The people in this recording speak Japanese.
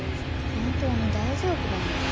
本当に大丈夫なのかな